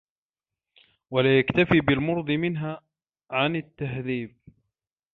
وَلَا يَكْتَفِي بِالْمُرْضِي مِنْهَا عَنْ التَّهْذِيبِ